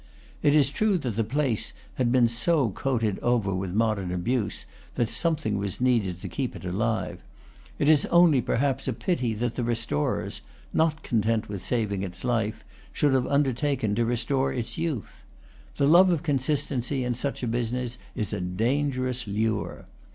It is true that the place had been so coated over with modern abuse that something was needed to keep it alive; it is only, per haps, a pity that the restorers, not content with saving its life, should have undertaken to restore its youth. The love of consistency, in such a business, is a dangerous lure.